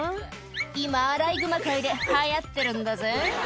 「今アライグマ界で流行ってるんだぜ」